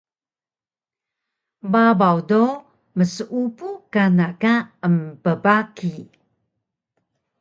Babaw do mseupu kana ka empbaki